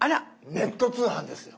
ネット通販ですよ。